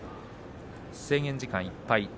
制限時間いっぱいです。